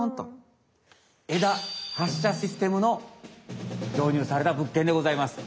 枝発射システムのどうにゅうされた物件でございます。